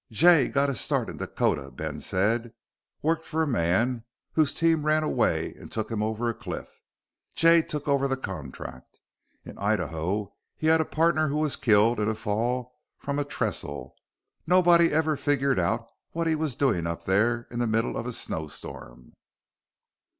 "Jay got his start in Dakota," Ben said. "Worked for a man whose team ran away and took him over a cliff. Jay took over the contract. In Idaho he had a partner who was killed in a fall from a trestle. Nobody ever figured out what he was doing up there in the middle of a snow storm."